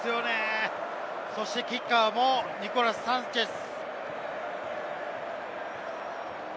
そして、キッカーもニコラス・サンチェス。